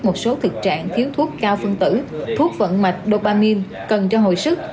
một số thực trạng thiếu thuốc cao phân tử thuốc vận mạch dopamine cần cho hồi sức